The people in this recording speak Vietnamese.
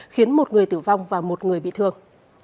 khiến một người tử vong và một người bị thương